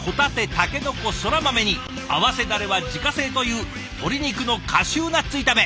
竹の子そら豆に合わせだれは自家製という鶏肉のカシューナッツ炒め。